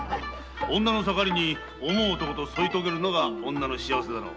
女の盛りに想う男と添いとげるのが女の幸せだろう。